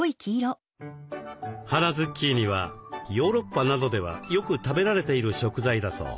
花ズッキーニはヨーロッパなどではよく食べられている食材だそう。